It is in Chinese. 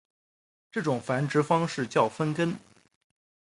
这种繁殖方式叫分根。